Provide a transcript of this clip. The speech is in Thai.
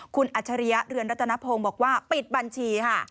อคุณอาชะรณ์เหรือนรัตนภงบอกว่าปิดบัญชีค่ะ